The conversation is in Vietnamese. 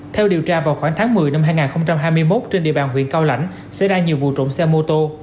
theo điều tra vào khoảng tháng một mươi năm hai nghìn hai mươi một trên địa bàn huyện cao lãnh xảy ra nhiều vụ trộm xe mô tô